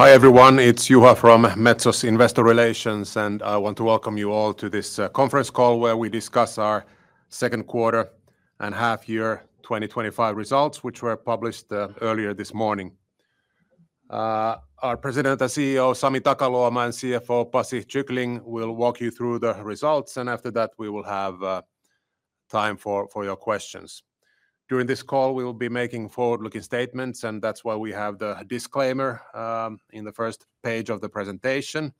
Hi everyone, it's Juha from Metso's Investor Relations, and I want to welcome you all to this conference call where we discuss our second quarter and half-year 2025 results, which were published earlier this morning. Our President and CEO, Sami Takaluoma, and CFO, Pasi Kyckling, will walk you through the results, and after that, we will have time for your questions. During this call, we will be making forward-looking statements, and that's why we have the disclaimer in the first page of the presentation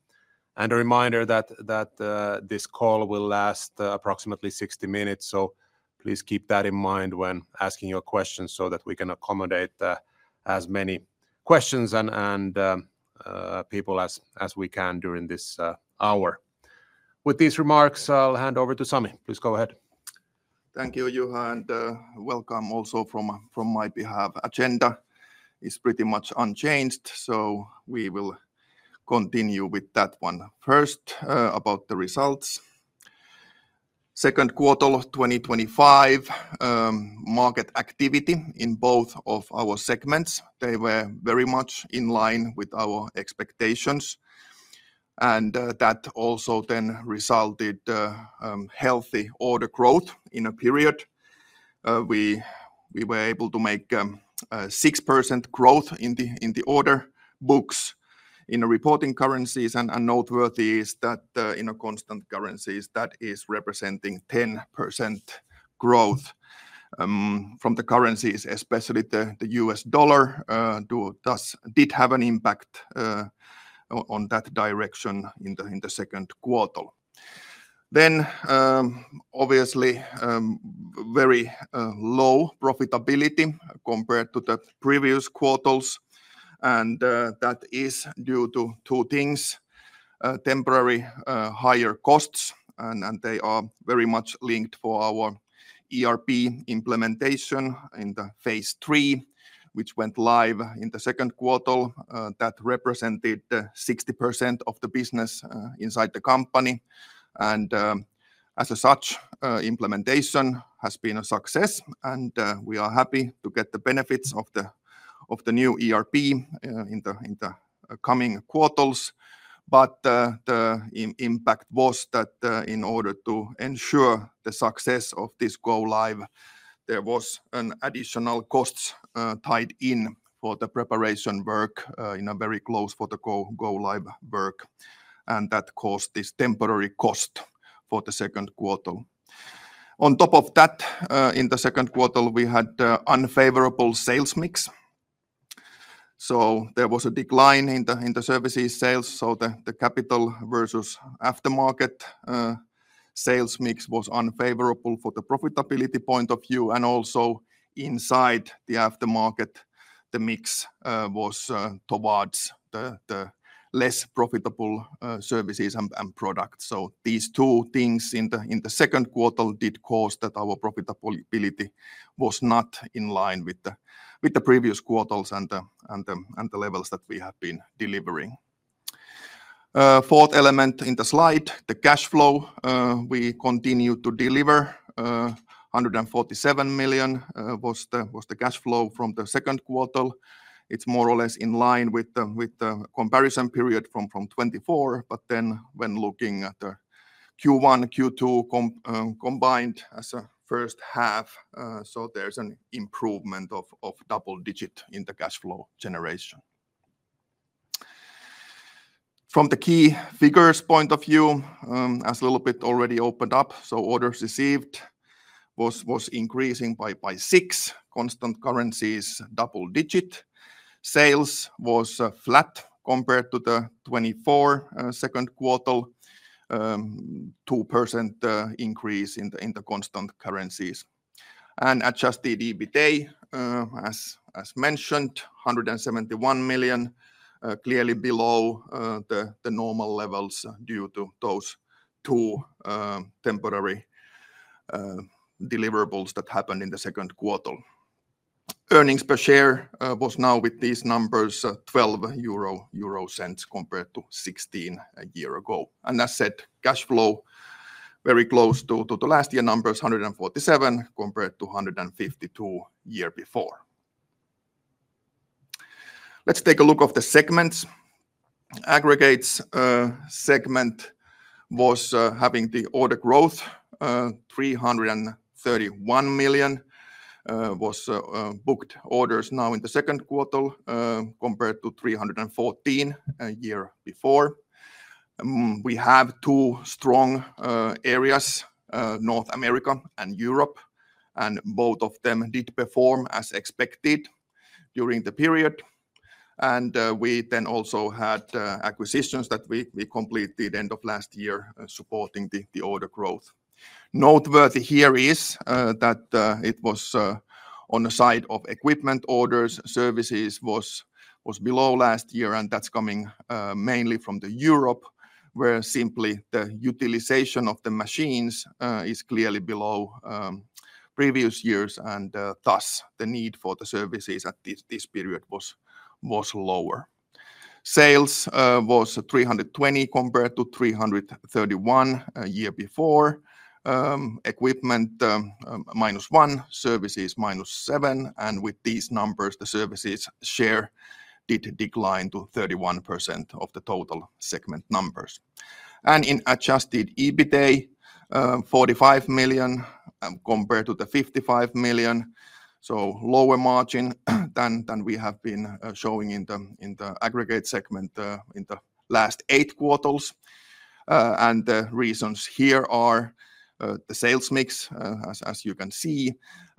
and a reminder that this call will last approximately 60 minutes, so please keep that in mind when asking your questions so that we can accommodate as many questions and people as we can during this hour. With these remarks, I'll hand over to Sami. Please go ahead. Thank you, Juha, and welcome also from my behalf. Agenda is pretty much unchanged, so we will continue with that one. First about the results. Second quarter of 2025. Market activity in both of our segments, they were very much in line with our expectations. That also then resulted in healthy order growth in a period. We were able to make 6% growth in the order books in reporting currencies, and noteworthy is that in constant currencies, that is representing 10% growth. From the currencies, especially the U.S. dollar, did have an impact on that direction in the second quarter. Obviously, very low profitability compared to the previous quarters, and that is due to two things. Temporary higher costs, and they are very much linked for our ERP implementation in the phase III, which went live in the second quarter. That represented 60% of the business inside the company, and as such, implementation has been a success, and we are happy to get the benefits of the new ERP in the coming quarters. The impact was that in order to ensure the success of this go live, there was an additional cost tied in for the preparation work in a very close for the go live work, and that caused this temporary cost for the second quarter. On top of that, in the second quarter, we had an unfavorable sales mix. There was a decline in the services sales, so the capital versus aftermarket sales mix was unfavorable for the profitability point of view, and also inside the aftermarket, the mix was towards the less profitable services and products. These two things in the second quarter did cause that our profitability was not in line with the previous quarters and the levels that we have been delivering. Fourth element in the slide, the cash flow, we continue to deliver. 147 million was the cash flow from the second quarter. It's more or less in line with the comparison period from 2024, but then when looking at the Q1, Q2 combined as a first half, there's an improvement of double digit in the cash flow generation. From the key figures point of view, as a little bit already opened up, orders received was increasing by 6%, constant currencies double digit. Sales was flat compared to the 2024 second quarter. 2% increase in the constant currencies. Adjusted EBITDA, as mentioned, 171 million, clearly below the normal levels due to those two temporary deliverables that happened in the second quarter. Earnings per share was now with these numbers, 0.12 compared to 0.16 a year ago. As said, cash flow very close to the last year numbers, 147 million compared to 152 million a year before. Let's take a look at the segments. Aggregates segment was having the order growth. 331 million was booked orders now in the second quarter compared to 314 million a year before. We have two strong areas, North America and Europe, and both of them did perform as expected during the period. We then also had acquisitions that we completed end of last year supporting the order growth. Noteworthy here is that it was on the side of equipment orders, services was below last year, and that's coming mainly from Europe, where simply the utilization of the machines is clearly below previous years, and thus the need for the services at this period was lower. Sales was 320 million compared to 331 million a year before. Equipment minus one, services minus seven, and with these numbers, the services share did decline to 31% of the total segment numbers. In adjusted EBITDA, 45 million compared to the 55 million, so lower margin than we have been showing in the aggregates segment in the last eight quarters. The reasons here are the sales mix, as you can see,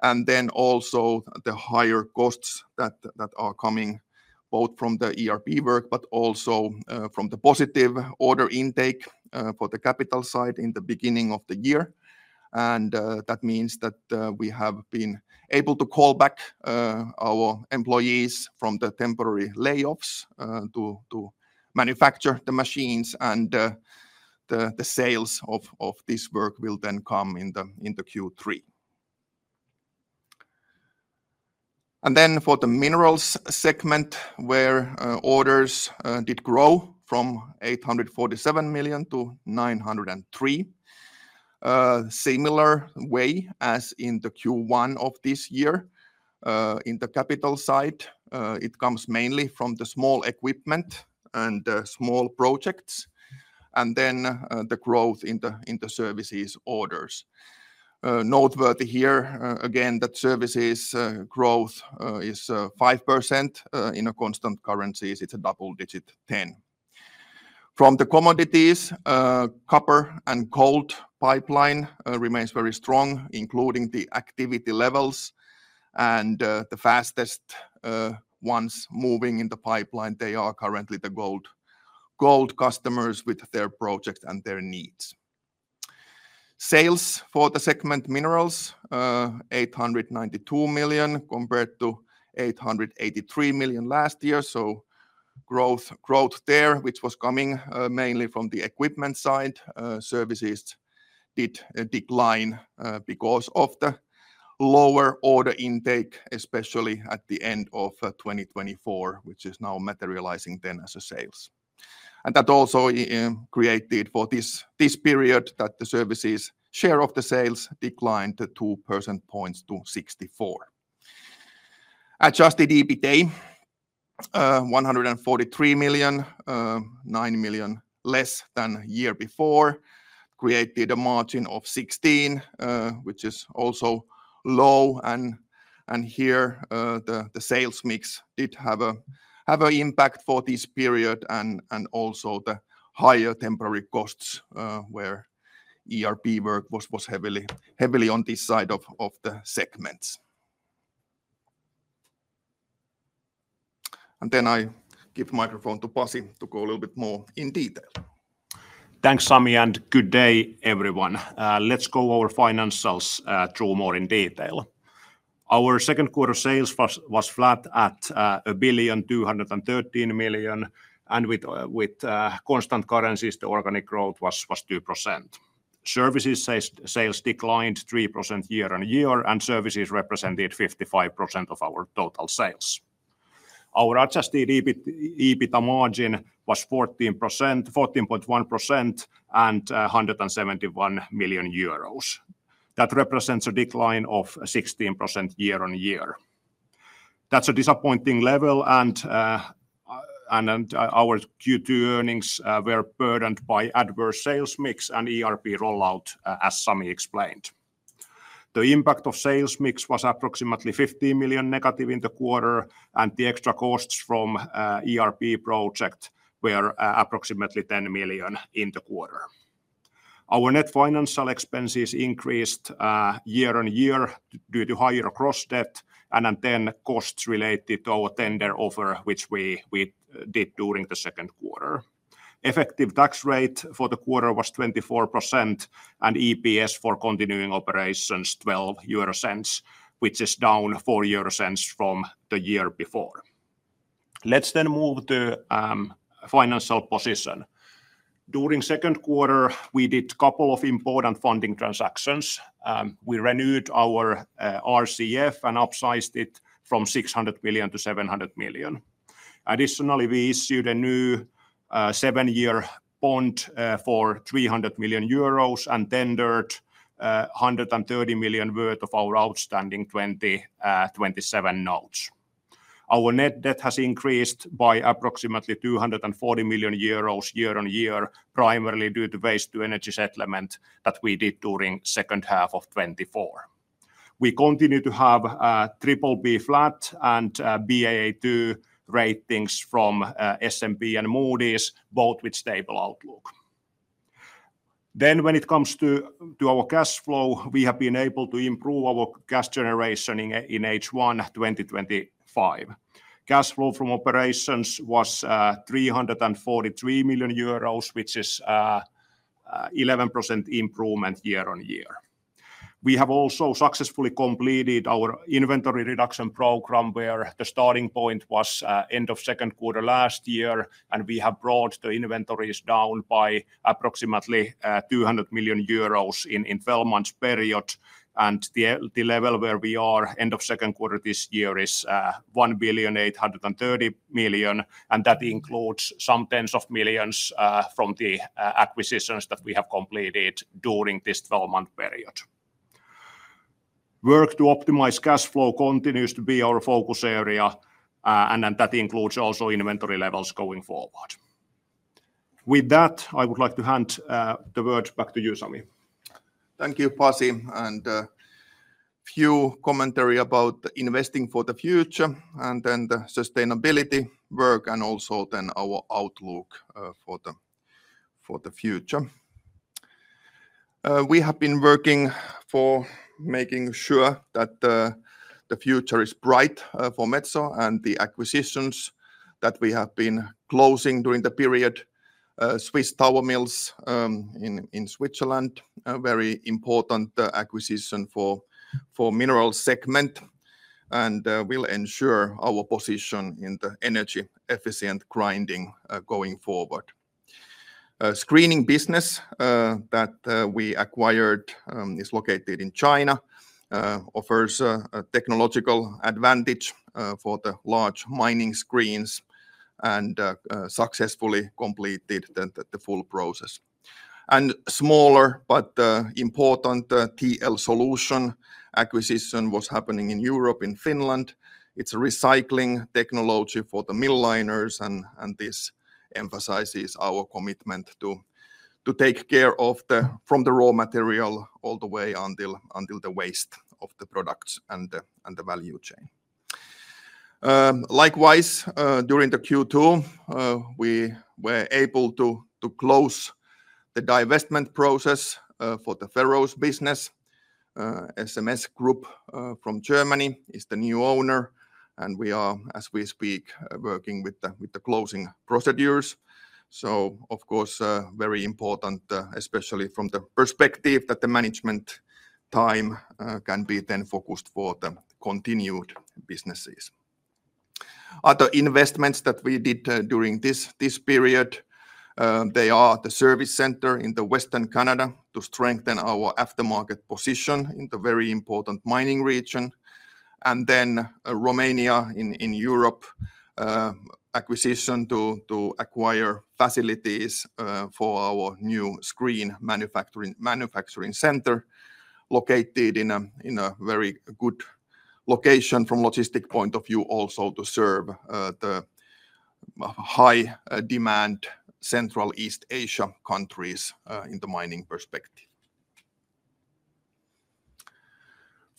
and then also the higher costs that are coming both from the ERP work, but also from the positive order intake for the capital side in the beginning of the year. That means that we have been able to call back our employees from the temporary layoffs to manufacture the machines, and the sales of this work will then come in Q3. For the minerals segment, orders did grow from 847 million to 903 million, similar way as in Q1 of this year. In the capital side, it comes mainly from the small equipment and small projects, and then the growth in the services orders. Noteworthy here again that services growth is 5% in constant currencies, it's a double digit 10%. From the commodities, copper and gold pipeline remains very strong, including the activity levels, and the fastest ones moving in the pipeline, they are currently the gold customers with their projects and their needs. Sales for the segment minerals, 892 million compared to 883 million last year, so growth there, which was coming mainly from the equipment side, services did decline because of the lower order intake, especially at the end of 2024, which is now materializing then as a sales. That also created for this period that the services share of the sales declined 2 percentage points to 64%. Adjusted EBITDA, 143 million, 9 million less than a year before, created a margin of 16%, which is also low. Here the sales mix did have an impact for this period, and also the higher temporary costs where ERP work was heavily on this side of the segments. I give the microphone to Pasi to go a little bit more in detail. Thanks, Sami, and good day everyone. Let's go over financials through more in detail. Our second quarter sales was flat at 1,213 million, and with constant currencies, the organic growth was 2%. Services sales declined 3% year on year, and services represented 55% of our total sales. Our adjusted EBITDA margin was 14.1% and 171 million euros. That represents a decline of 16% year on year. That's a disappointing level, and our Q2 earnings were burdened by adverse sales mix and ERP rollout, as Sami explained. The impact of sales mix was approximately 15 million negative in the quarter, and the extra costs from ERP project were approximately 10 million in the quarter. Our net financial expenses increased year on year due to higher cross-debt, and then costs related to our tender offer, which we did during the second quarter. Effective tax rate for the quarter was 24%, and EPS for continuing operations 0.12, which is down 0.04 from the year before. Let's then move to financial position. During second quarter, we did a couple of important funding transactions. We renewed our RCF and upsized it from 600 million to 700 million. Additionally, we issued a new seven-year bond for 300 million euros and tendered 130 million worth of our outstanding 2027 notes. Our net debt has increased by approximately 240 million euros year on year, primarily due to waste to energy settlement that we did during the second half of 2024. We continue to have triple B flat and BAA2 ratings from S&P and Moody's, both with stable outlook. When it comes to our cash flow, we have been able to improve our cash generation in H1 2025. Cash flow from operations was 343 million euros, which is an 11% improvement year on year. We have also successfully completed our inventory reduction program, where the starting point was end of second quarter last year, and we have brought the inventories down by approximately 200 million euros in a 12-month period. The level where we are end of second quarter this year is 1,830 million, and that includes some tens of millions from the acquisitions that we have completed during this 12-month period. Work to optimize cash flow continues to be our focus area, and that includes also inventory levels going forward. With that, I would like to hand the word back to you, Sami. Thank you, Pasi. A few commentary about investing for the future, and then the sustainability work, and also then our outlook for the future. We have been working for making sure that the future is bright for Metso, and the acquisitions that we have been closing during the period. Swiss Tower Mills in Switzerland, a very important acquisition for the mineral segment, and will ensure our position in the energy-efficient grinding going forward. Screening business that we acquired is located in China, offers a technological advantage for the large mining screens and successfully completed the full process. And smaller, but important, TL Solution acquisition was happening in Europe, in Finland. It is a recycling technology for the mill liners, and this emphasizes our commitment to take care of the raw material all the way until the waste of the products and the value chain. Likewise, during the Q2, we were able to close the divestment process for the Ferrous Business. SNS Group from Germany is the new owner, and we are, as we speak, working with the closing procedures. Of course, very important, especially from the perspective that the management time can be then focused for the continued businesses. Other investments that we did during this period, they are the service center in Western Canada to strengthen our aftermarket position in the very important mining region, and then Romania in Europe, acquisition to acquire facilities for our new screen manufacturing center located in a very good location from a logistic point of view, also to serve the high demand Central East Asia countries in the mining perspective.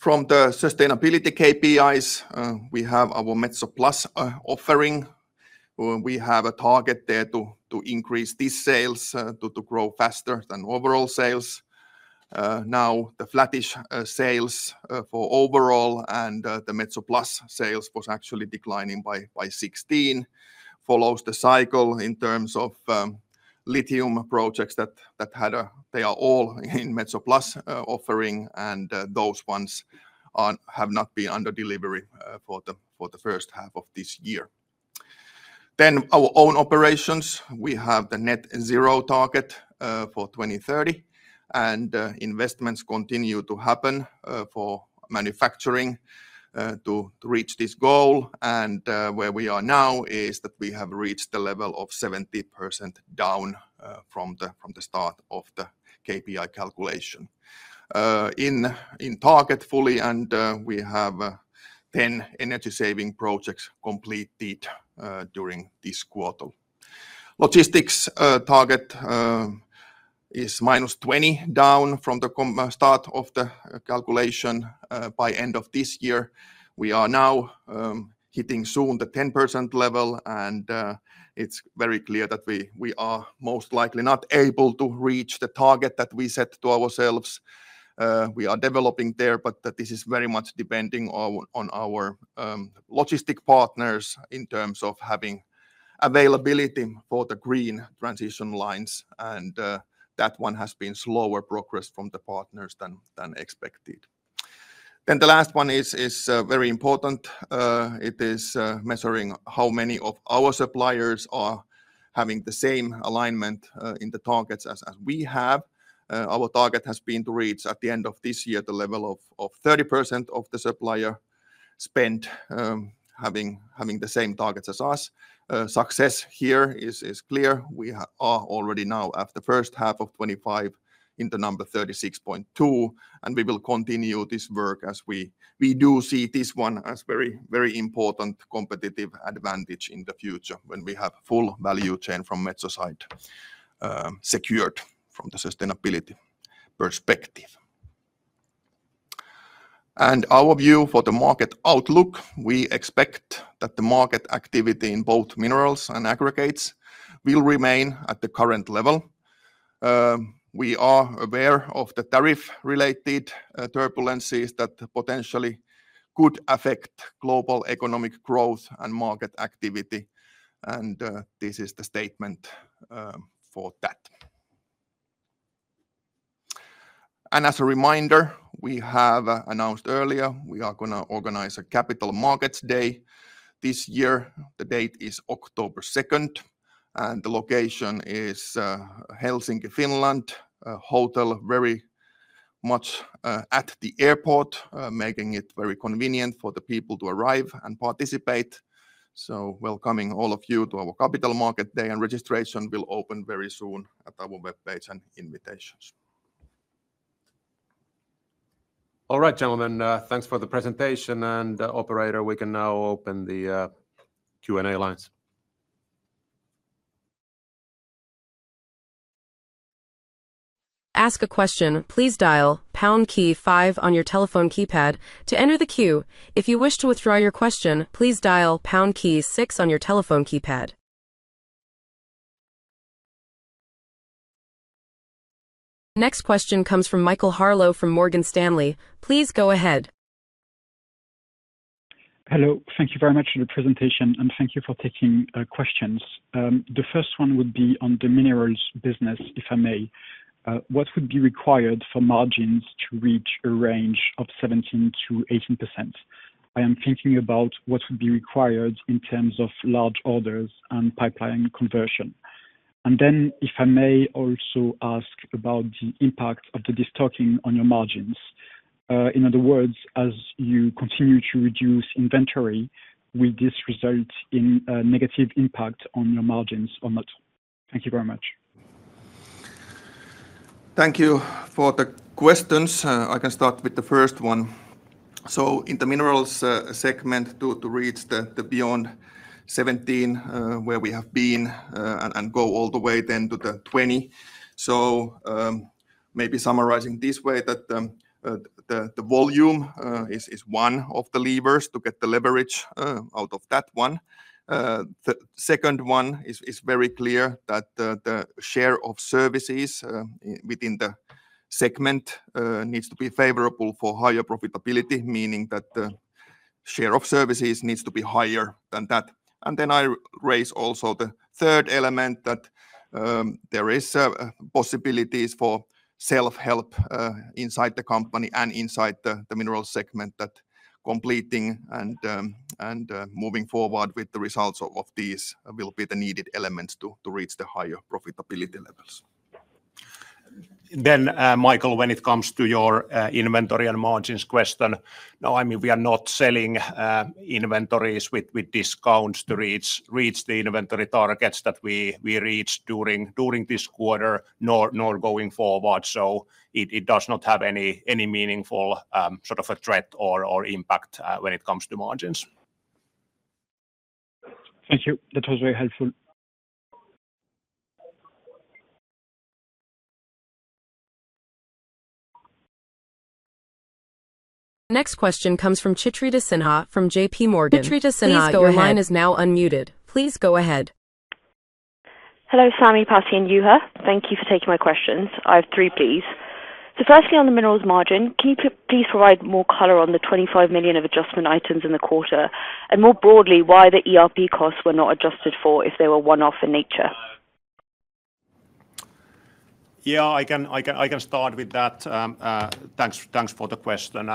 From the sustainability KPIs, we have our Metso Plus offering. We have a target there to increase these sales to grow faster than overall sales. Now, the flattish sales for overall and the Metso Plus sales was actually declining by 16%. Follows the cycle in terms of lithium projects that they are all in Metso Plus offering, and those ones have not been under delivery for the first half of this year. Then our own operations, we have the net zero target for 2030, and investments continue to happen for manufacturing to reach this goal. Where we are now is that we have reached the level of 70% down from the start of the KPI calculation in target fully, and we have 10 energy-saving projects completed during this quarter. Logistics target is minus 20% down from the start of the calculation by end of this year. We are now hitting soon the 10% level, and it is very clear that we are most likely not able to reach the target that we set to ourselves. We are developing there, but this is very much depending on our logistic partners in terms of having availability for the green transition lines, and that one has been slower progress from the partners than expected. The last one is very important. It is measuring how many of our suppliers are having the same alignment in the targets as we have. Our target has been to reach at the end of this year the level of 30% of the supplier spend having the same targets as us. Success here is clear. We are already now at the first half of 2025 in the number 36.2, and we will continue this work as we do see this one as very important competitive advantage in the future when we have full value chain from Metso side. Secured from the sustainability perspective. Our view for the market outlook, we expect that the market activity in both minerals and aggregates will remain at the current level. We are aware of the tariff-related turbulences that potentially could affect global economic growth and market activity, and this is the statement for that. As a reminder, we have announced earlier, we are going to organize a Capital Markets Day this year. The date is October 2nd, and the location is Helsinki, Finland, a hotel very much at the airport, making it very convenient for the people to arrive and participate. Welcoming all of you to our Capital Markets Day, and registration will open very soon at our webpage and invitations. All right, gentlemen, thanks for the presentation, and operator, we can now open the Q&A lines. Ask a question, please dial pound key five on your telephone keypad to enter the queue. If you wish to withdraw your question, please dial pound key six on your telephone keypad. Next question comes from Michael Harlow from Morgan Stanley. Please go ahead. Hello, thank you very much for the presentation, and thank you for taking questions. The first one would be on the minerals business, if I may. What would be required for margins to reach a range of 17-18%? I am thinking about what would be required in terms of large orders and pipeline conversion. If I may also ask about the impact of the destocking on your margins. In other words, as you continue to reduce inventory, will this result in a negative impact on your margins or not? Thank you very much. Thank you for the questions. I can start with the first one. In the minerals segment, to reach the beyond 17, where we have been and go all the way then to the 20. Maybe summarizing this way that the volume is one of the levers to get the leverage out of that one. The second one is very clear that the share of services within the segment needs to be favorable for higher profitability, meaning that the share of services needs to be higher than that. I raise also the third element that there are possibilities for self-help inside the company and inside the minerals segment that completing and moving forward with the results of these will be the needed elements to reach the higher profitability levels. Michael, when it comes to your inventory and margins question, no, I mean, we are not selling inventories with discounts to reach the inventory targets that we reached during this quarter nor going forward. It does not have any meaningful sort of a threat or impact when it comes to margins. Thank you. That was very helpful. Next question comes from Chitrita Sinha from JPMorgan. Chitrita Sinha, your line is now unmuted. Please go ahead. Hello, Sami, Pasi, and Juha. Thank you for taking my questions. I have three, please. Firstly, on the minerals margin, can you please provide more color on the 25 million of adjustment items in the quarter? More broadly, why the ERP costs were not adjusted for if they were one-off in nature? Yeah, I can start with that. Thanks for the question.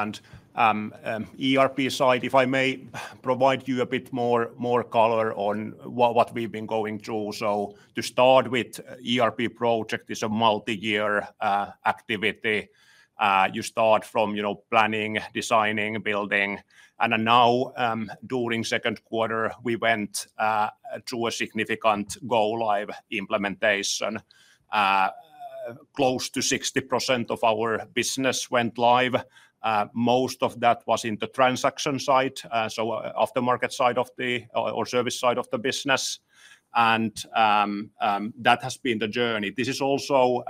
ERP side, if I may provide you a bit more color on what we've been going through. To start with, ERP project is a multi-year activity. You start from planning, designing, building. Now, during second quarter, we went to a significant go-live implementation. Close to 60% of our business went live. Most of that was in the transaction side, so aftermarket side of the or service side of the business. That has been the journey. This is also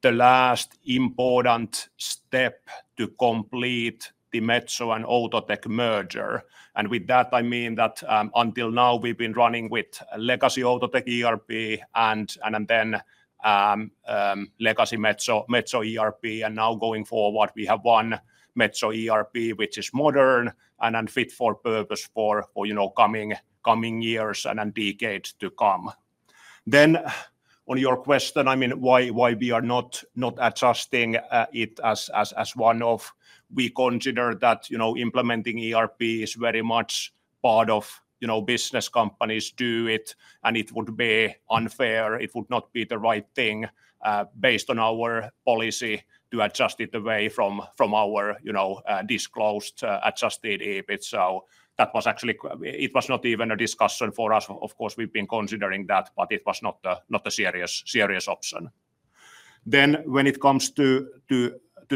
the last important step to complete the Metso and Outotec merger. With that, I mean that until now, we've been running with legacy Outotec ERP and then legacy Metso ERP. Now going forward, we have one Metso ERP, which is modern and fit for purpose for coming years and decades to come. On your question, I mean, why we are not adjusting it as one-off, we consider that implementing ERP is very much part of business. Companies do it, and it would be unfair. It would not be the right thing based on our policy to adjust it away from our disclosed adjusted EBITDA. That was actually, it was not even a discussion for us. Of course, we've been considering that, but it was not a serious option. When it comes to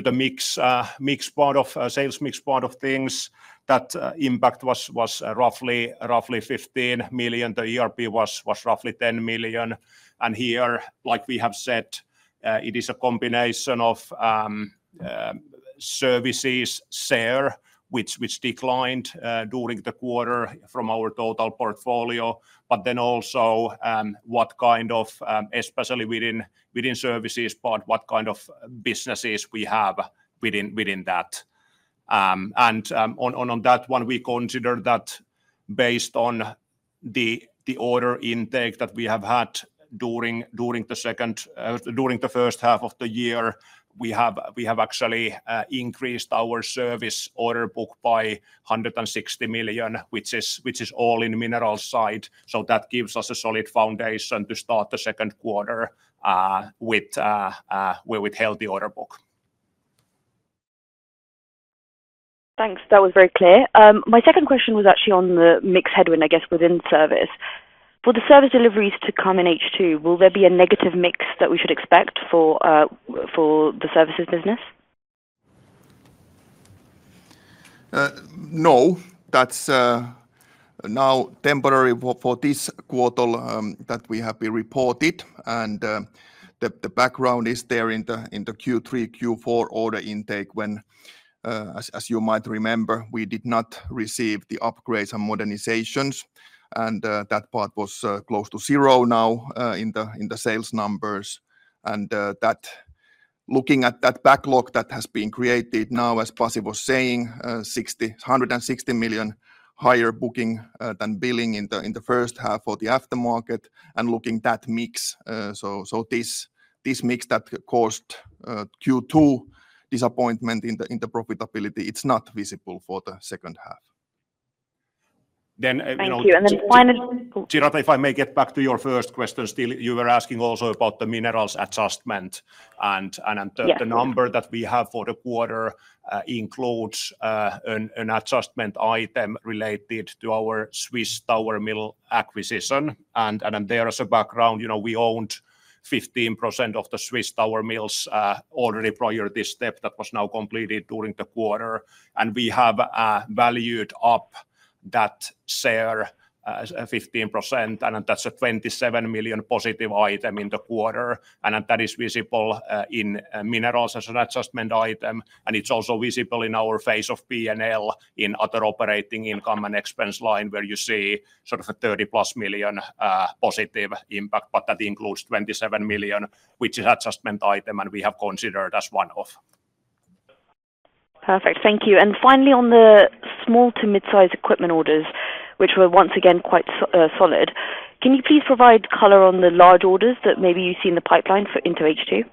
the mix part of sales, mix part of things, that impact was roughly 15 million. The ERP was roughly 10 million. Here, like we have said, it is a combination of services share, which declined during the quarter from our total portfolio. Also, what kind of, especially within services, but what kind of businesses we have within that. On that one, we consider that based on the order intake that we have had during the second, during the first half of the year, we have actually increased our service order book by 160 million, which is all in mineral side. That gives us a solid foundation to start the second quarter with a healthy order book. Thanks. That was very clear. My second question was actually on the mix headwind, I guess, within service. For the service deliveries to come in H2, will there be a negative mix that we should expect for the services business? No. That's now temporary for this quarter that we have been reported. The background is there in the Q3, Q4 order intake when, as you might remember, we did not receive the upgrades and modernizations. That part was close to zero now in the sales numbers. Looking at that backlog that has been created now, as Pasi was saying, 160 million higher booking than billing in the first half for the aftermarket. Looking at that mix, this mix that caused Q2 disappointment in the profitability, it's not visible for the second half. Thank you. Then finally. Chitrita, if I may get back to your first question still, you were asking also about the minerals adjustment. The number that we have for the quarter includes an adjustment item related to our Swiss Tower Mills acquisition. There is a background, we owned 15% of the Swiss Tower Mills already prior to this step that was now completed during the quarter. We have valued up that share, 15%. That is a 27 million positive item in the quarter. That is visible in minerals as an adjustment item. It is also visible in our phase of P&L in other operating income and expense line where you see sort of a 30 million-plus positive impact. That includes 27 million, which is an adjustment item and we have considered as one-off. Perfect. Thank you. Finally, on the small to mid-size equipment orders, which were once again quite solid, can you please provide color on the large orders that maybe you see in the pipeline for into H2?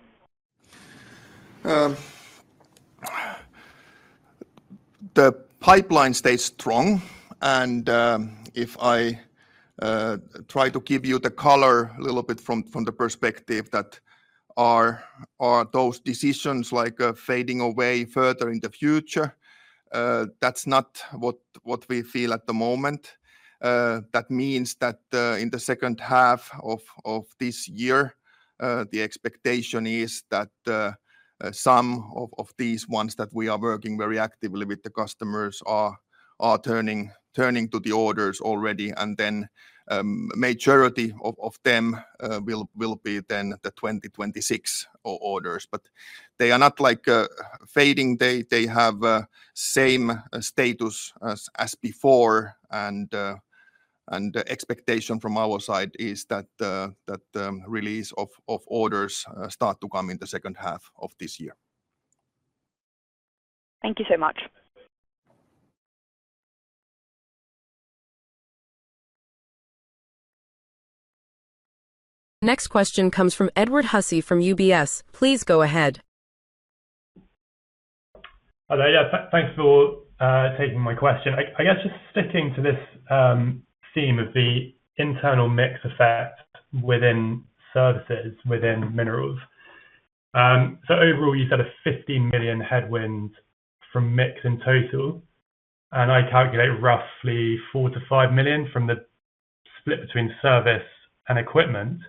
The pipeline stays strong. If I try to give you the color a little bit from the perspective that, are those decisions like fading away further in the future, that's not what we feel at the moment. That means that in the second half of this year, the expectation is that some of these ones that we are working very actively with the customers are turning to the orders already. The majority of them will be then the 2026 orders, but they are not like fading. They have the same status as before. The expectation from our side is that release of orders start to come in the second half of this year. Thank you so much. Next question comes from Edward Hussey from UBS. Please go ahead. Thanks for taking my question. I guess just sticking to this theme of the internal mix effect within services within minerals. Overall, you said a 50 million headwind from mix in total. I calculate roughly 4-5 million from the split between service and equipment.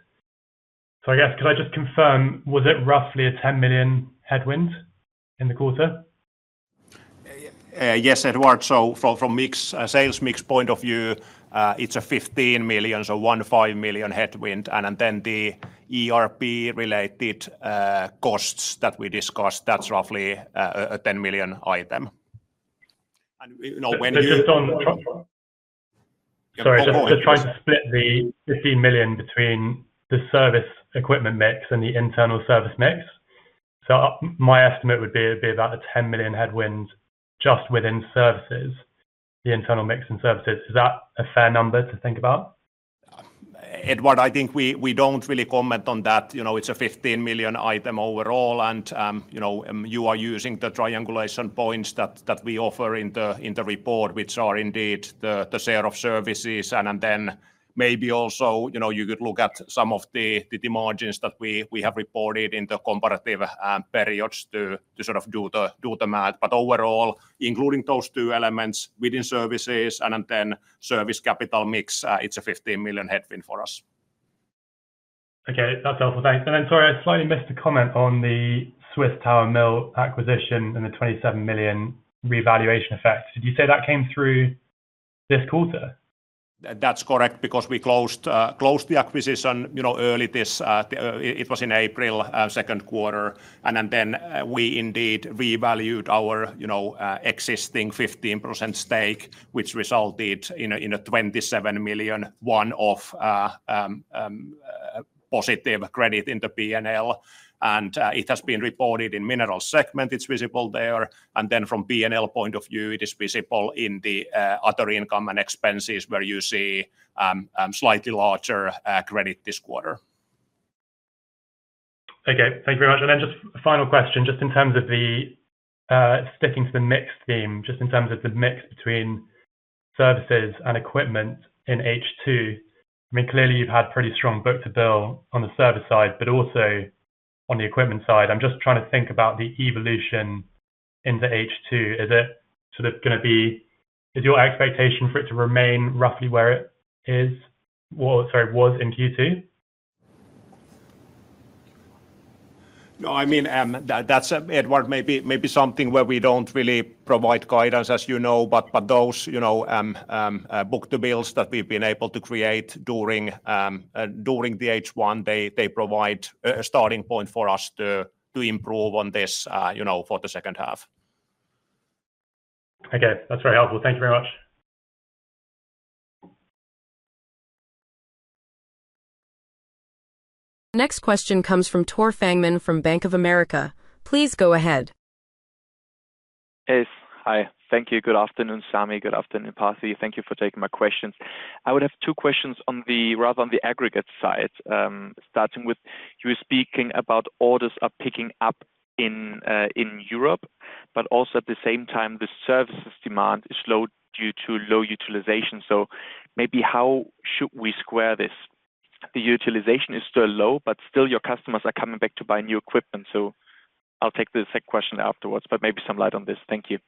I guess, could I just confirm, was it roughly a 10 million headwind in the quarter? Yes, Edward. From sales mix point of view, it's a 15 million, so one five million headwind. The ERP-related costs that we discussed, that's roughly a 10 million item. Just trying to split the 15 million between the service equipment mix and the internal service mix. My estimate would be about a 10 million headwind just within services, the internal mix and services. Is that a fair number to think about? Edward, I think we don't really comment on that. It's a 15 million item overall. You are using the triangulation points that we offer in the report, which are indeed the share of services. Maybe also you could look at some of the margins that we have reported in the comparative periods to sort of do the math. Overall, including those two elements within services and then service capital mix, it's a 15 million headwind for us. Okay, that's helpful. Thanks. Sorry, I slightly missed a comment on the Swiss Tower Mills acquisition and the 27 million revaluation effect. Did you say that came through this quarter? That's correct because we closed the acquisition early this year. It was in April, second quarter. We indeed revalued our existing 15% stake, which resulted in a 27 million one-off positive credit in the P&L. It has been reported in Minerals segment. It's visible there. From P&L point of view, it is visible in the other income and expenses where you see slightly larger credit this quarter. Okay, thank you very much. And then just a final question, just in terms of the, sticking to the mix theme, just in terms of the mix between services and equipment in H2. I mean, clearly you've had pretty strong book to bill on the service side, but also on the equipment side. I'm just trying to think about the evolution into H2. Is it sort of going to be, is your expectation for it to remain roughly where it is, was in Q2? No, I mean, that's, Edward, maybe something where we don't really provide guidance, as you know, but those book to bills that we've been able to create during the H1, they provide a starting point for us to improve on this for the second half. Okay, that's very helpful. Thank you very much. Next question comes from Tore Fangmann from Bank of America. Please go ahead. Hey, hi. Thank you. Good afternoon, Sami. Good afternoon, Pasi. Thank you for taking my questions. I would have two questions rather on the aggregate side. Starting with, you were speaking about orders are picking up in Europe, but also at the same time, the services demand is slow due to low utilization. Maybe how should we square this? The utilization is still low, but still your customers are coming back to buy new equipment. I'll take the second question afterwards, but maybe some light on this. Thank you.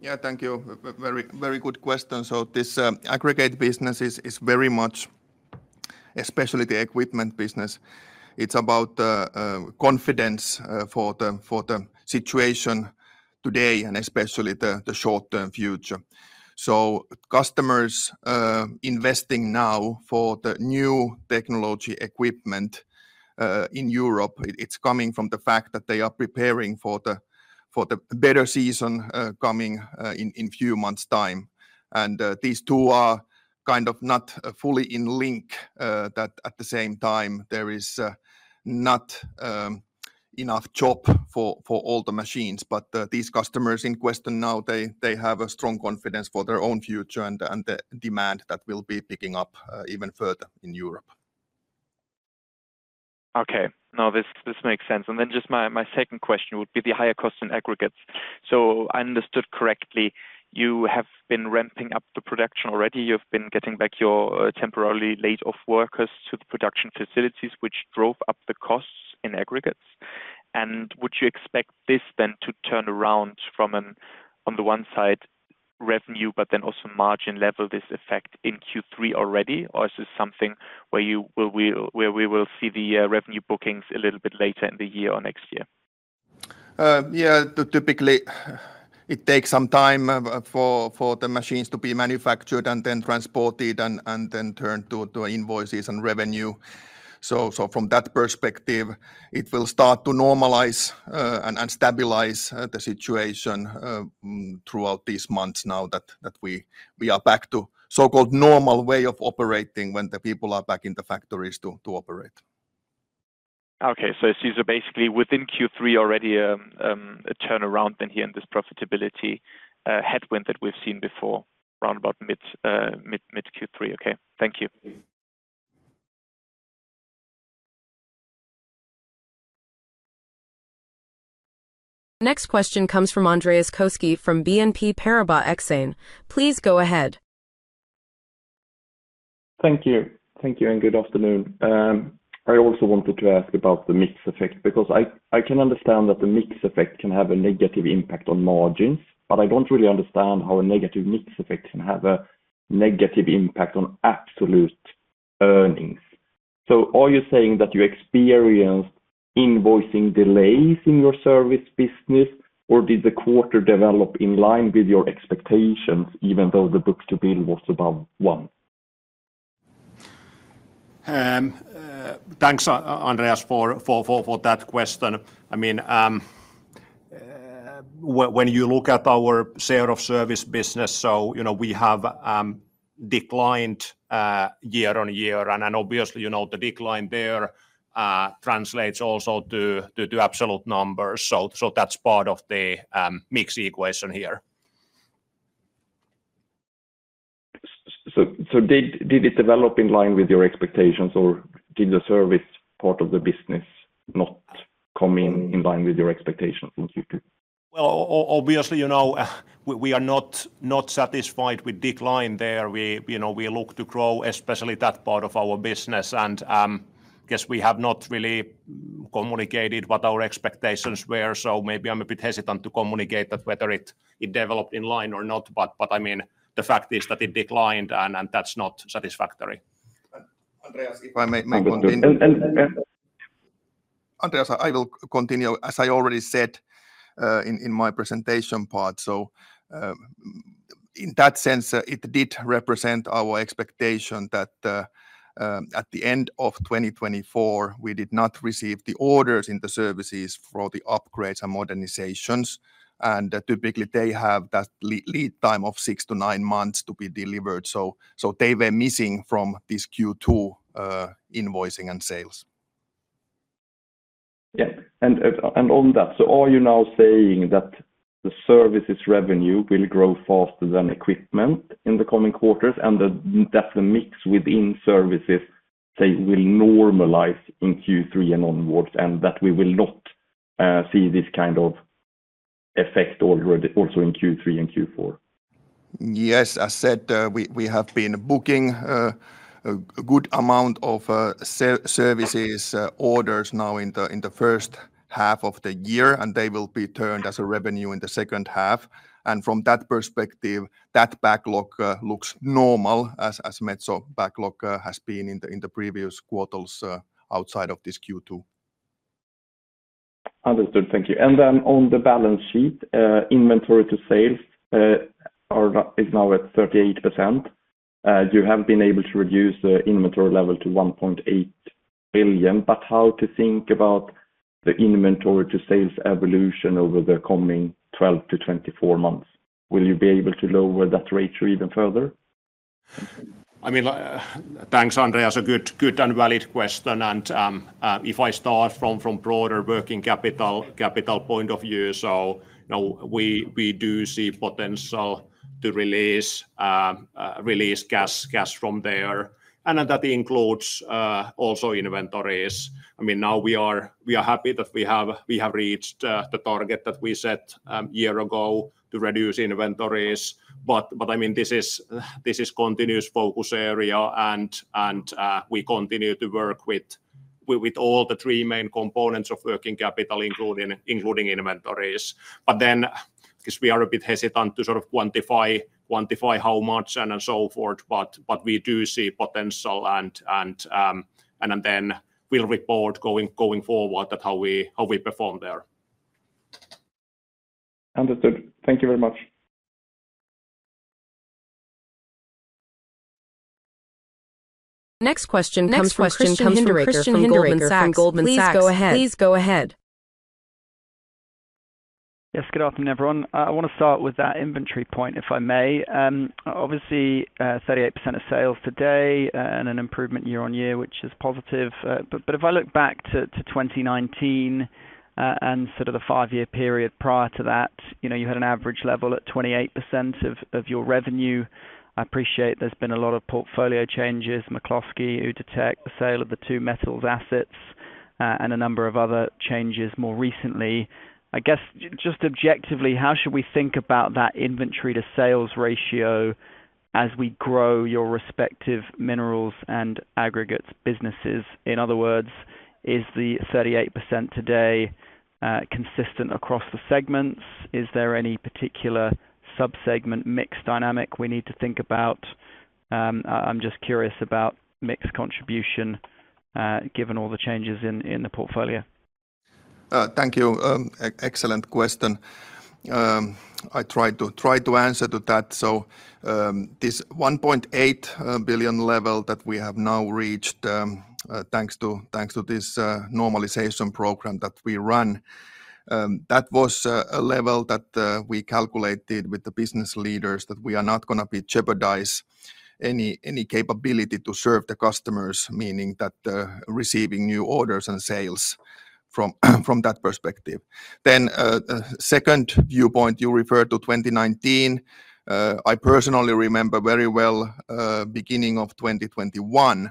Yeah, thank you. Very good question. This aggregates business is very much, especially the equipment business, about confidence for the situation today and especially the short-term future. Customers are investing now for the new technology equipment. In Europe, it is coming from the fact that they are preparing for the better season coming in a few months' time. These two are kind of not fully in link in that at the same time, there is not enough job for all the machines. These customers in question now have strong confidence for their own future and the demand that will be picking up even further in Europe. Okay. No, this makes sense. My second question would be the higher cost in aggregates. I understood correctly, you have been ramping up the production already. You have been getting back your temporarily laid-off workers to the production facilities, which drove up the costs in aggregates. Would you expect this to turn around from, on the one side, revenue, but then also margin level, this effect in Q3 already? Or is this something where we will see the revenue bookings a little bit later in the year or next year? Yeah, typically, it takes some time for the machines to be manufactured and then transported and then turned to invoices and revenue. From that perspective, it will start to normalize and stabilize the situation. Throughout these months now that we are back to so-called normal way of operating when the people are back in the factories to operate. Okay. It seems basically within Q3 already a turnaround then here in this profitability headwind that we've seen before around about mid-Q3. Okay. Thank you. Next question comes from Andreas Koski from BNP Paribas Exane. Please go ahead. Thank you. Thank you and good afternoon. I also wanted to ask about the mix effect because I can understand that the mix effect can have a negative impact on margins, but I do not really understand how a negative mix effect can have a negative impact on absolute earnings. Are you saying that you experienced invoicing delays in your service business, or did the quarter develop in line with your expectations even though the book to bill was above one? Thanks, Andreas, for that question. I mean. When you look at our share of service business, we have declined year on year. Obviously, the decline there translates also to absolute numbers. That is part of the mix equation here. Did it develop in line with your expectations, or did the service part of the business not come in line with your expectations in Q2? Obviously, we are not satisfied with decline there. We look to grow, especially that part of our business. I guess we have not really communicated what our expectations were. Maybe I'm a bit hesitant to communicate that whether it developed in line or not. I mean, the fact is that it declined and that's not satisfactory. Andreas, I will continue. As I already said in my presentation part. In that sense, it did represent our expectation that at the end of 2024, we did not receive the orders in the services for the upgrades and modernizations. Typically, they have that lead time of six to nine months to be delivered. They were missing from this Q2 invoicing and sales. Yeah. On that, are you now saying that the services revenue will grow faster than equipment in the coming quarters? That the mix within services, say, will normalize in Q3 and onwards and that we will not see this kind of effect also in Q3 and Q4? Yes, as said, we have been booking a good amount of services orders now in the first half of the year, and they will be turned as a revenue in the second half. From that perspective, that backlog looks normal as Metso backlog has been in the previous quartals outside of this Q2. Understood. Thank you. On the balance sheet, inventory to sales is now at 38%. You have been able to reduce the inventory level to 1.8 billion. How should we think about the inventory to sales evolution over the coming 12-24 months? Will you be able to lower that ratio even further? I mean, thanks, Andreas. A good and valid question. If I start from a broader working capital point of view, we do see potential to release cash from there. That includes also inventories. I mean, now we are happy that we have reached the target that we set a year ago to reduce inventories. I mean, this is a continuous focus area, and we continue to work with all the three main components of working capital, including inventories. I guess we are a bit hesitant to sort of quantify how much and so forth, but we do see potential. We will report going forward at how we perform there. Understood. Thank you very much. Next question comes from from Goldman Sachs. Please go ahead. Yes, good afternoon, everyone. I want to start with that inventory point, if I may. Obviously, 38% of sales today and an improvement year on year, which is positive. If I look back to 2019 and sort of the five-year period prior to that, you had an average level at 28% of your revenue. I appreciate there's been a lot of portfolio changes, McCloskey, Outotec, the sale of the two metals assets, and a number of other changes more recently. I guess just objectively, how should we think about that inventory to sales ratio as we grow your respective minerals and aggregates businesses? In other words, is the 38% today consistent across the segments? Is there any particular subsegment mix dynamic we need to think about? I'm just curious about mix contribution given all the changes in the portfolio. Thank you. Excellent question. I try to answer to that. This 1.8 billion level that we have now reached, thanks to this normalization program that we run, that was a level that we calculated with the business leaders that we are not going to be jeopardizing any capability to serve the customers, meaning that receiving new orders and sales from that perspective. Second viewpoint, you referred to 2019. I personally remember very well the beginning of 2021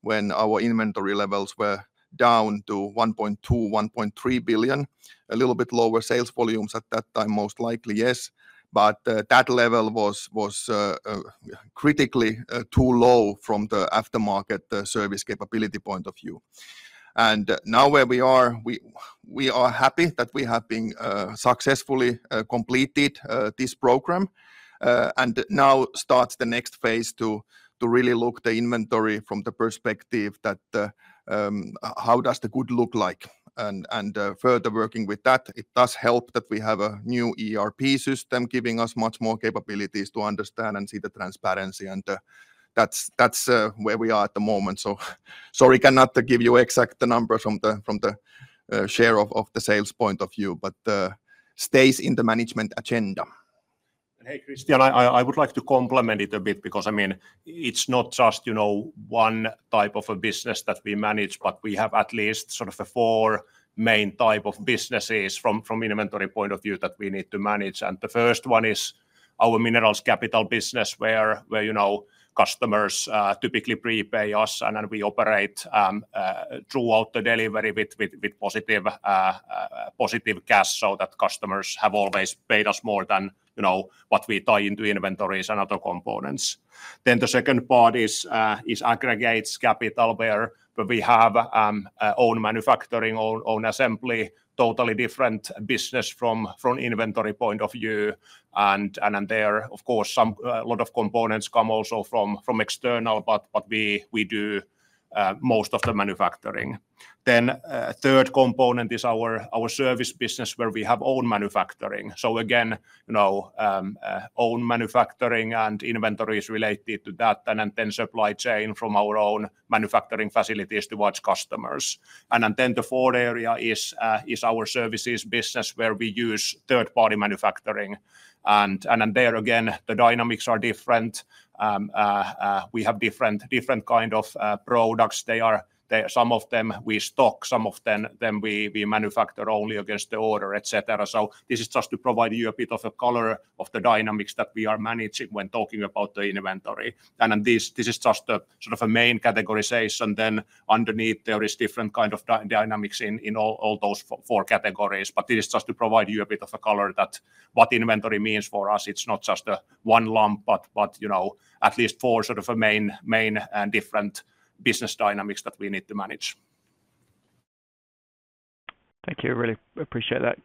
when our inventory levels were down to 1.2-1.3 billion. A little bit lower sales volumes at that time, most likely, yes. That level was critically too low from the aftermarket service capability point of view. Now where we are, we are happy that we have been successfully completed this program. Now starts the next phase to really look at the inventory from the perspective that, how does the good look like? Further working with that, it does help that we have a new ERP system giving us much more capabilities to understand and see the transparency. That's where we are at the moment. Sorry, cannot give you exact numbers from the share of the sales point of view, but stays in the management agenda. Hey, Christian, I would like to complement it a bit because I mean, it's not just one type of a business that we manage, but we have at least sort of four main types of businesses from inventory point of view that we need to manage. The first one is our minerals capital business where customers typically prepay us, and we operate throughout the delivery with positive cash so that customers have always paid us more than what we tie into inventories and other components. The second part is aggregates capital where we have own manufacturing, own assembly, totally different business from inventory point of view. There, of course, a lot of components come also from external, but we do most of the manufacturing. The third component is our service business where we have own manufacturing. So again, own manufacturing and inventories related to that, and then supply chain from our own manufacturing facilities towards customers. The fourth area is our services business where we use third-party manufacturing. There again, the dynamics are different. We have different kinds of products. Some of them we stock, some of them we manufacture only against the order, etc. This is just to provide you a bit of a color of the dynamics that we are managing when talking about the inventory. This is just sort of a main categorization. Underneath, there are different kinds of dynamics in all those four categories. This is just to provide you a bit of a color that what inventory means for us. It's not just one lump, but at least four sort of main and different business dynamics that we need to manage. Thank you. Really appreciate that.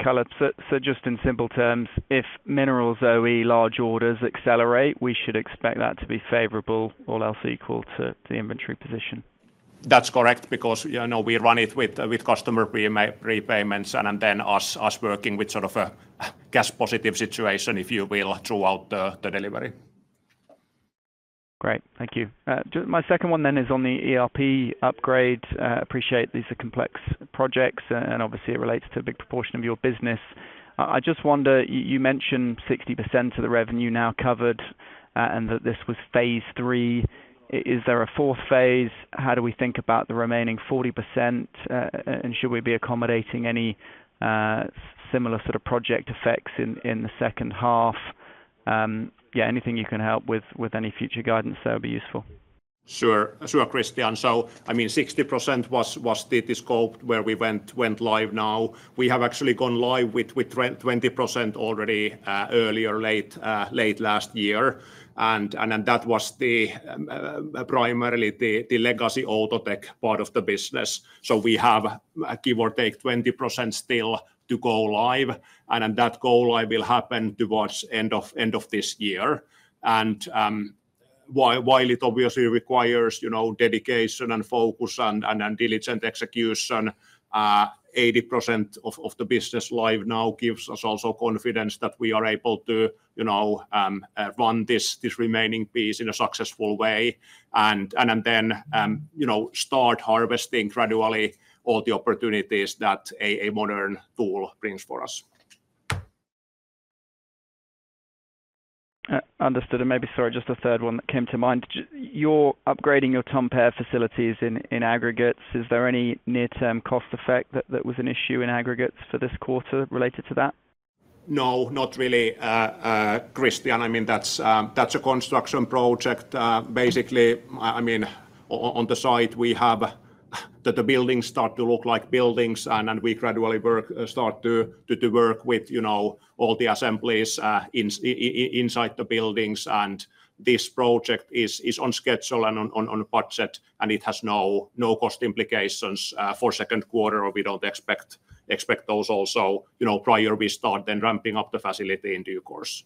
Just in simple terms, if Minerals OE large orders accelerate, we should expect that to be favorable or else equal to the inventory position. That's correct because we run it with customer repayments and then us working with sort of a cash-positive situation, if you will, throughout the delivery. Great. Thank you. My second one then is on the ERP upgrade. Appreciate these are complex projects and obviously it relates to a big proportion of your business. I just wonder, you mentioned 60% of the revenue now covered and that this was phase three. Is there a fourth phase? How do we think about the remaining 40%? Should we be accommodating any similar sort of project effects in the second half? Yeah, anything you can help with any future guidance that would be useful? Sure, sure, Christian. I mean, 60% was the scope where we went live now. We have actually gone live with 20% already earlier late last year. That was primarily the legacy auto tech part of the business. We have, give or take, 20% still to go live. That go live will happen towards the end of this year. While it obviously requires dedication and focus and diligent execution, 80% of the business live now gives us also confidence that we are able to run this remaining piece in a successful way. Then we can start harvesting gradually all the opportunities that a modern tool brings for us. Understood. Maybe, sorry, just a third one that came to mind. You're upgrading your Tampere facilities in aggregates. Is there any near-term cost effect that was an issue in aggregates for this quarter related to that? No, not really. Christian, I mean, that's a construction project. Basically, I mean, on the side, we have the buildings start to look like buildings, and we gradually start to work with all the assemblies inside the buildings. This project is on schedule and on budget, and it has no cost implications for the second quarter, or we don't expect those also. Prior, we start then ramping up the facility in due course.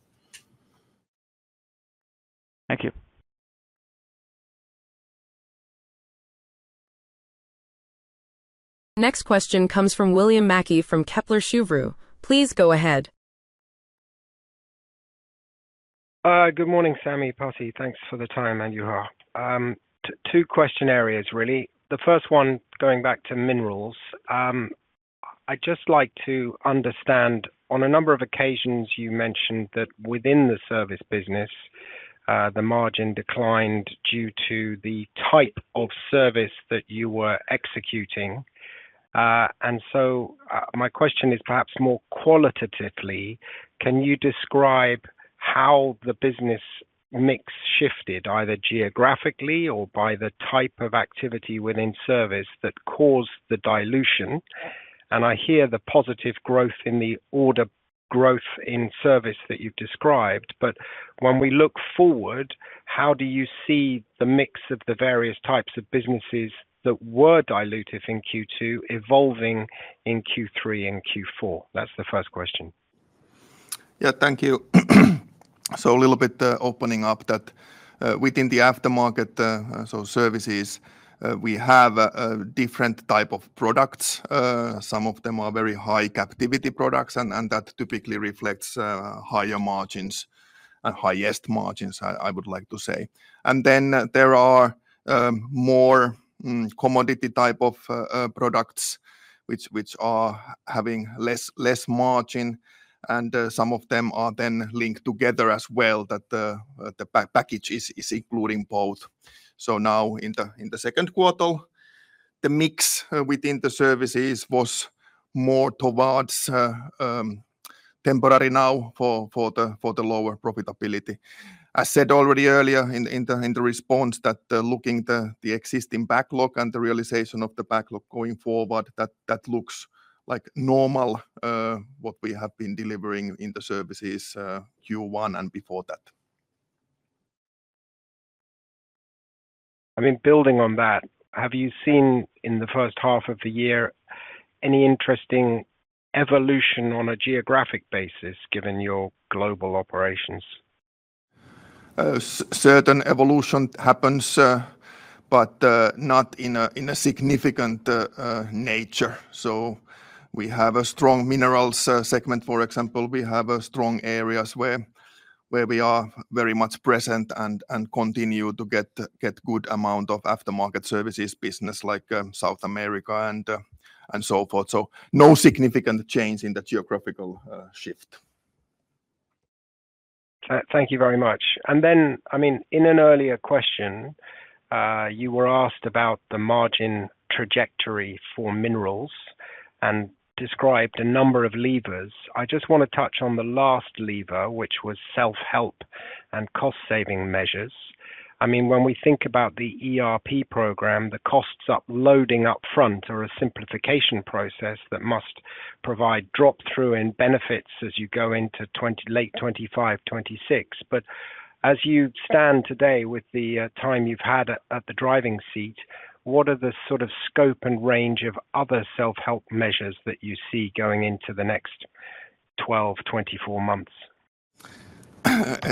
Thank you. Next question comes from William Mackie from Kepler Cheuvreux. Please go ahead. Good morning, Sami, Pasi. Thanks for the time, and you are. Two question areas, really. The first one, going back to minerals. I'd just like to understand, on a number of occasions, you mentioned that within the service business, the margin declined due to the type of service that you were executing. My question is perhaps more qualitatively, can you describe how the business mix shifted, either geographically or by the type of activity within service that caused the dilution? I hear the positive growth in the order growth in service that you've described, but when we look forward, how do you see the mix of the various types of businesses that were dilutive in Q2 evolving in Q3 and Q4? That's the first question. Yeah, thank you. A little bit opening up that within the aftermarket, so services, we have different types of products. Some of them are very high captivity products, and that typically reflects higher margins. Highest margins, I would like to say. There are more commodity type of products which are having less margin, and some of them are then linked together as well that the package is including both. Now in the second quartal, the mix within the services was more towards temporary now for the lower profitability. As said already earlier in the response, looking at the existing backlog and the realization of the backlog going forward, that looks like normal what we have been delivering in the services Q1 and before that. I mean, building on that, have you seen in the first half of the year any interesting evolution on a geographic basis given your global operations? Certain evolution happens. Not in a significant nature. We have a strong minerals segment. For example, we have strong areas where we are very much present and continue to get a good amount of aftermarket services business like South America and so forth. No significant change in the geographical shift. Thank you very much. I mean, in an earlier question, you were asked about the margin trajectory for minerals and described a number of levers. I just want to touch on the last lever, which was self-help and cost-saving measures. I mean, when we think about the ERP program, the costs uploading upfront are a simplification process that must provide drop-through and benefits as you go into late 2025, 2026. As you stand today with the time you've had at the driving seat, what are the sort of scope and range of other self-help measures that you see going into the next 12-24 months?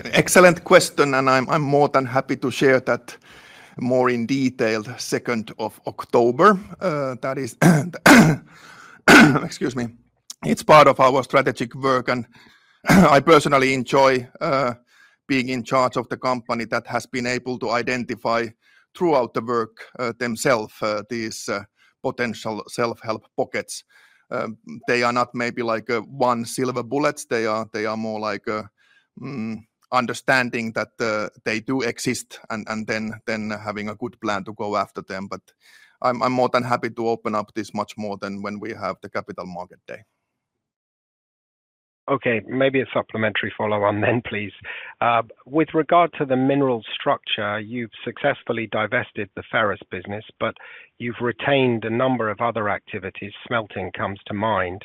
Excellent question, and I'm more than happy to share that. More in detail the 2nd of October. That is, excuse me, it's part of our strategic work, and I personally enjoy being in charge of the company that has been able to identify throughout the work themselves these potential self-help pockets. They are not maybe like one silver bullet. They are more like understanding that they do exist and then having a good plan to go after them. I'm more than happy to open up this much more than when we have the Capital Markets Day. Okay, maybe a supplementary follow-on then, please. With regard to the mineral structure, you've successfully divested the Ferrous Business, but you've retained a number of other activities. Smelting comes to mind.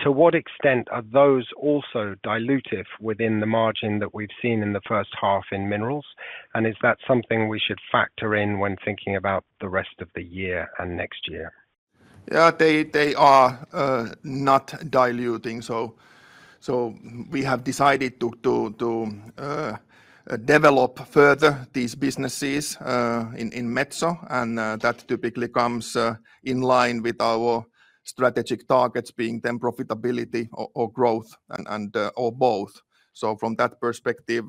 To what extent are those also dilutive within the margin that we've seen in the first half in minerals? Is that something we should factor in when thinking about the rest of the year and next year? Yeah, they are not diluting. We have decided to develop further these businesses in Metso, and that typically comes in line with our strategic targets being then profitability or growth or both. From that perspective,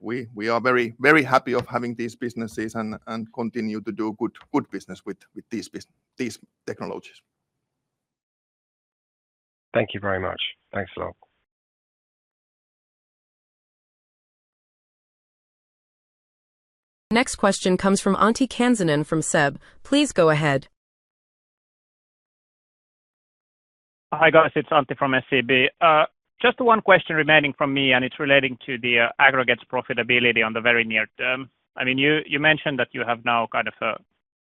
we are very happy of having these businesses and continue to do good business with these technologies. Thank you very much. Thanks a lot. Next question comes from Antti Kansanen from SEB. Please go ahead. Hi guys, it's Antti from SEB. Just one question remaining from me, and it's relating to the aggregates profitability on the very near term. I mean, you mentioned that you have now kind of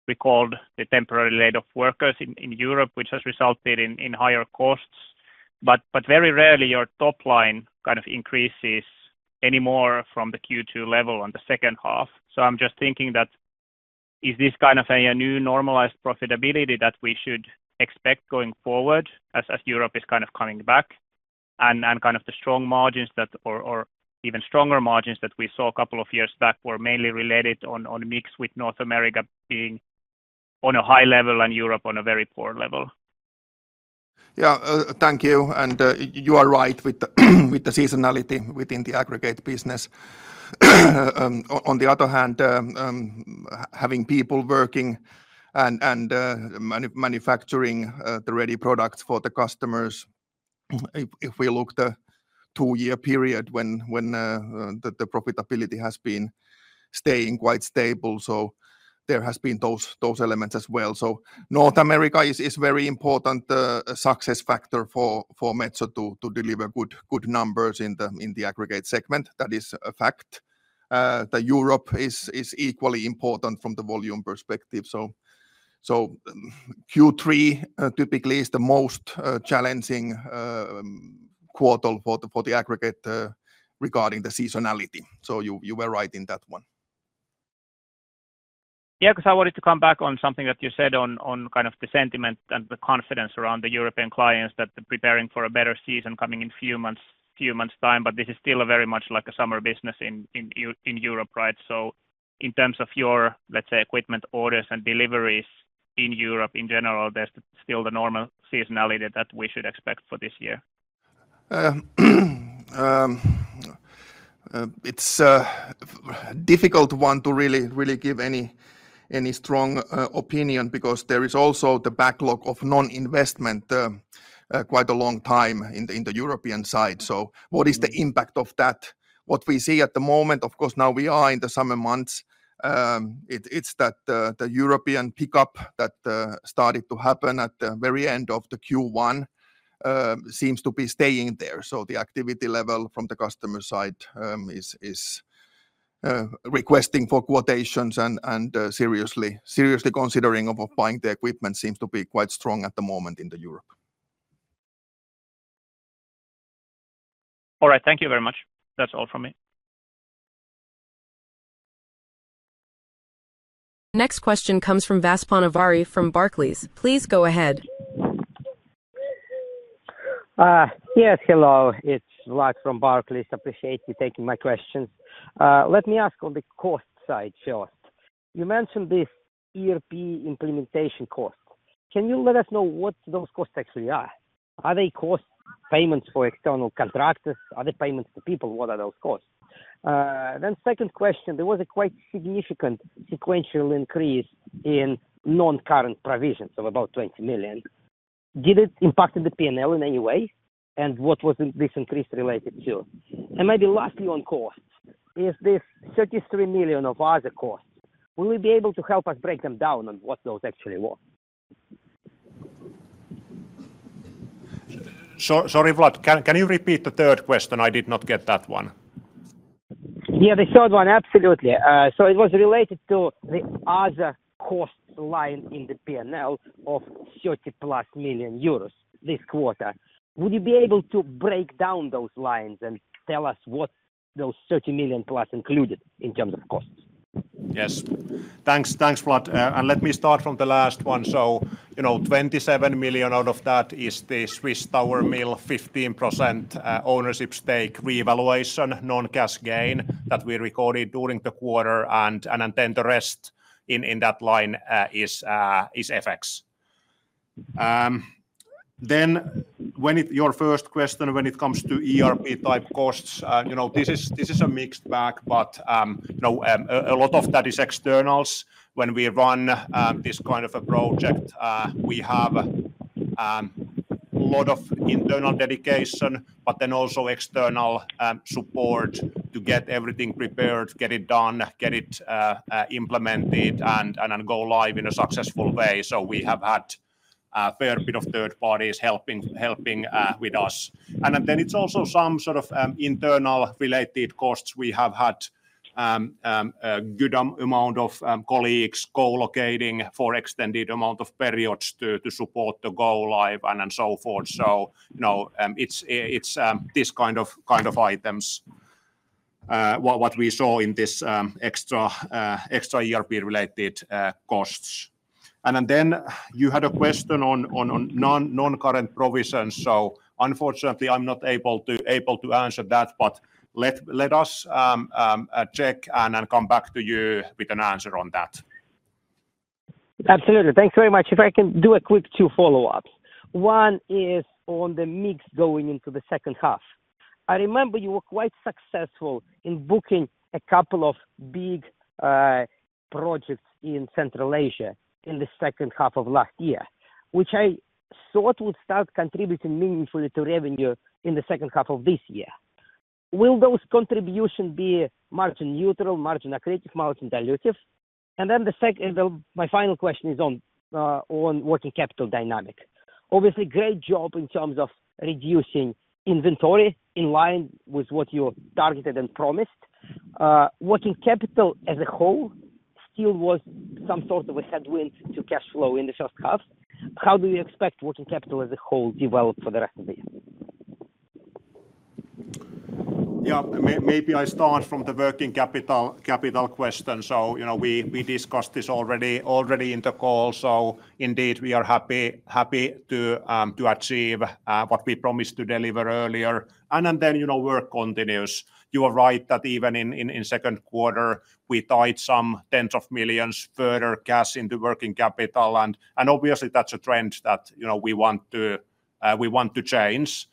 recalled the temporary layoff workers in Europe, which has resulted in higher costs. But very rarely your top line kind of increases any more from the Q2 level on the second half. I mean, I'm just thinking that is this kind of a new normalized profitability that we should expect going forward as Europe is kind of coming back? And kind of the strong margins that, or even stronger margins that we saw a couple of years back were mainly related on mix with North America being on a high level and Europe on a very poor level. Yeah, thank you. You are right with the seasonality within the aggregates business. On the other hand, having people working and manufacturing the ready products for the customers, if we look at the two-year period when the profitability has been staying quite stable, there have been those elements as well. North America is a very important success factor for Metso to deliver good numbers in the aggregates segment. That is a fact. Europe is equally important from the volume perspective. Q3 typically is the most challenging quartal for aggregates regarding the seasonality. You were right in that one. Yeah, because I wanted to come back on something that you said on kind of the sentiment and the confidence around the European clients that preparing for a better season coming in a few months' time, but this is still very much like a summer business in Europe, right? In terms of your, let's say, equipment orders and deliveries in Europe in general, there's still the normal seasonality that we should expect for this year. It's a difficult one to really give any strong opinion because there is also the backlog of non-investment quite a long time in the European side. What is the impact of that? What we see at the moment, of course, now we are in the summer months. The European pickup that started to happen at the very end of Q1 seems to be staying there. The activity level from the customer side is requesting for quotations and seriously considering of buying the equipment seems to be quite strong at the moment in Europe. All right, thank you very much. That's all from me. Next question comes from Vaspana Vari from Barclays. Please go ahead. Yes, hello. It is Lark from Barclays. Appreciate you taking my questions. Let me ask on the cost side first. You mentioned this ERP implementation cost. Can you let us know what those costs actually are? Are they cost payments for external contractors? Are they payments to people? What are those costs? My second question, there was a quite significant sequential increase in non-current provisions of about 20 million. Did it impact the P&L in any way? What was this increase related to? Maybe lastly on costs, this 33 million of other costs, will you be able to help us break them down on what those actually were? Sorry, but can you repeat the third question? I did not get that one. Yeah, the third one, absolutely. It was related to the other cost line in the P&L of 30 million euros plus this quarter. Would you be able to break down those lines and tell us what those 30 million plus included in terms of costs? Yes. Thanks. Let me start from the last one. 27 million out of that is the Swiss Tower Mills 15% ownership stake revaluation, non-cash gain that we recorded during the quarter. The rest in that line is FX. Your first question, when it comes to ERP type costs, this is a mixed bag, but a lot of that is externals. When we run this kind of a project, we have a lot of internal dedication, but then also external support to get everything prepared, get it done, get it implemented, and go live in a successful way. We have had a fair bit of third parties helping with us, and then it is also some sort of internal related costs. We have had a good amount of colleagues co-locating for extended periods to support the go live and so forth. It is this kind of items that we saw in this extra ERP related costs. You had a question on non-current provisions. Unfortunately, I am not able to answer that, but let us check and come back to you with an answer on that. Absolutely. Thanks very much. If I can do a quick two follow-ups. One is on the mix going into the second half. I remember you were quite successful in booking a couple of big projects in Central East Asia in the second half of last year, which I thought would start contributing meaningfully to revenue in the second half of this year. Will those contributions be margin neutral, margin accretive, margin dilutive? My final question is on working capital dynamic. Obviously, great job in terms of reducing inventory in line with what you targeted and promised. Working capital as a whole still was some sort of a headwind to cash flow in the first half. How do you expect working capital as a whole to develop for the rest of the year? Yeah, maybe I start from the working capital question. We discussed this already in the call. Indeed, we are happy to achieve what we promised to deliver earlier. Work continues. You are right that even in the second quarter, we tied some tens of millions further cash into working capital. Obviously, that's a trend that we want to change.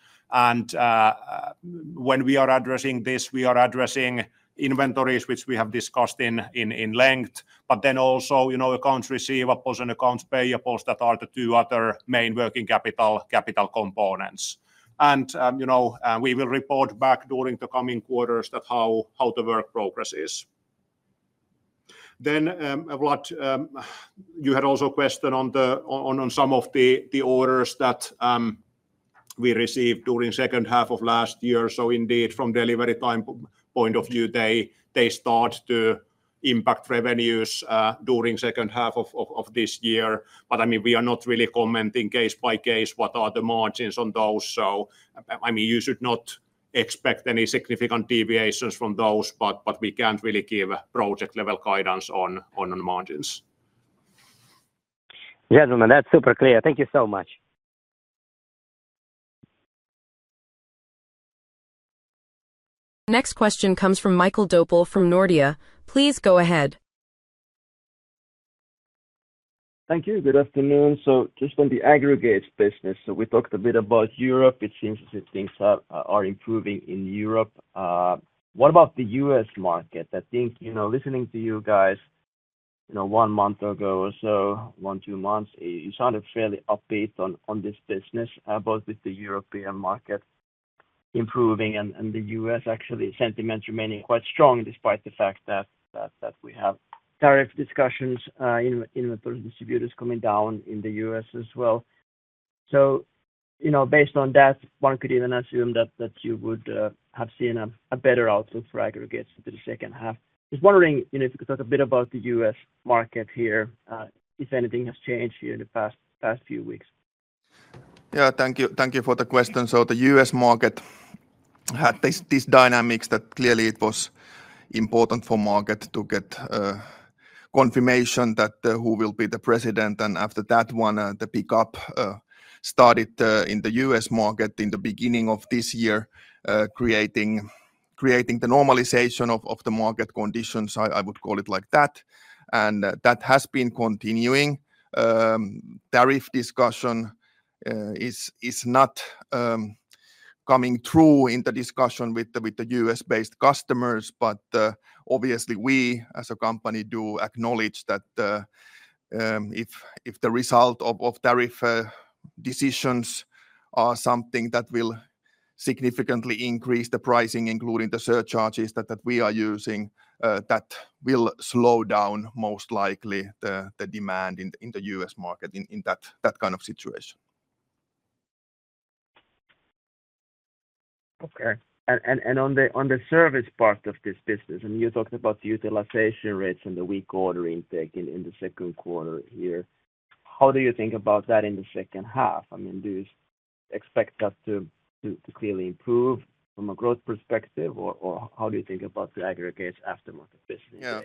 When we are addressing this, we are addressing inventories, which we have discussed in length, but then also accounts receivables and accounts payables that are the two other main working capital components. We will report back during the coming quarters how the work progresses. Vlad, you had also a question on some of the orders that we received during the second half of last year. Indeed, from a delivery time point of view, they start to impact revenues during the second half of this year. I mean, we are not really commenting case by case what are the margins on those. You should not expect any significant deviations from those, but we can't really give project-level guidance on margins. Gentlemen, that's super clear. Thank you so much. Next question comes from Michael Doepel from Nordea. Please go ahead. Thank you. Good afternoon. Just on the aggregates business, we talked a bit about Europe. It seems as if things are improving in Europe. What about the U.S. market? I think listening to you guys one month ago or so, one or two months, you sounded fairly upbeat on this business, both with the European market improving and the U.S. actually sentiment remaining quite strong despite the fact that we have tariff discussions, inventory distributors coming down in the U.S. as well. Based on that, one could even assume that you would have seen a better outlook for aggregates for the second half. Just wondering if you could talk a bit about the U.S. market here, if anything has changed here in the past few weeks. Yeah, thank you for the question. The U.S. market had this dynamic that clearly it was important for the market to get confirmation that who will be the president. After that one, the pickup started in the U.S. market in the beginning of this year, creating the normalization of the market conditions, I would call it like that. That has been continuing. Tariff discussion is not coming true in the discussion with the U.S.-based customers, but obviously we as a company do acknowledge that if the result of tariff decisions are something that will significantly increase the pricing, including the surcharges that we are using, that will slow down most likely the demand in the U.S. market in that kind of situation. Okay. On the service part of this business, I mean, you talked about utilization rates and the weak order intake in the second quarter here. How do you think about that in the second half? I mean, do you expect that to clearly improve from a growth perspective, or how do you think about the aggregates aftermarket business?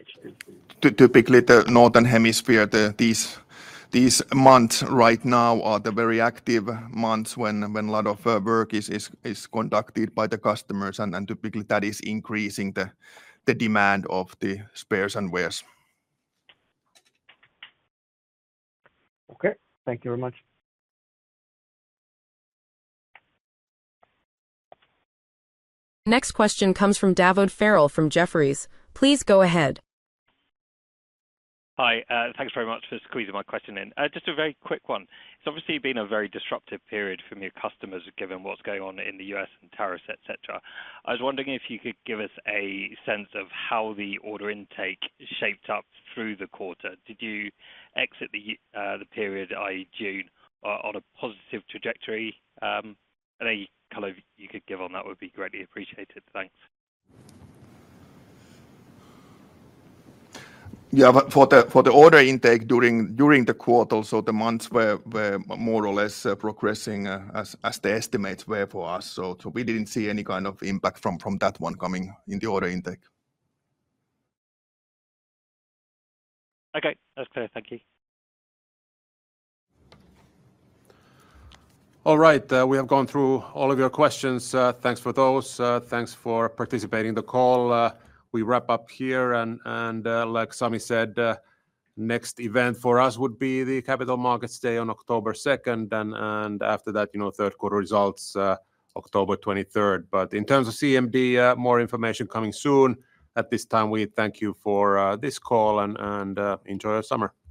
Typically, the northern hemisphere, these months right now are the very active months when a lot of work is conducted by the customers. Typically, that is increasing the demand of the spares and wares. Okay. Thank you very much. Next question comes from David Farrell from Jefferies. Please go ahead. Hi. Thanks very much for squeezing my question in. Just a very quick one. It's obviously been a very disruptive period for new customers given what's going on in the U.S. and tariffs, etc. I was wondering if you could give us a sense of how the order intake shaped up through the quarter. Did you exit the period, i.e., June, on a positive trajectory? Any color you could give on that would be greatly appreciated. Thanks. Yeah, for the order intake during the quarter, the months were more or less progressing as the estimates were for us. We did not see any kind of impact from that one coming in the order intake. Okay. That's clear. Thank you. All right. We have gone through all of your questions. Thanks for those. Thanks for participating in the call. We wrap up here. Like Sami said, next event for us would be the Capital Markets Day on October 2nd. After that, third quarter results, October 23rd. In terms of CMD, more information coming soon. At this time, we thank you for this call and enjoy your summer. Bye-bye.